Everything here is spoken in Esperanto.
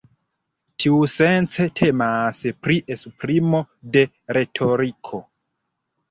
Tiusence temas pri esprimo de retoriko.